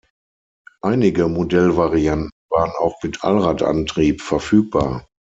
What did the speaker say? Einige Modellvarianten waren auch mit Allradantrieb verfügbar.